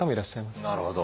なるほど。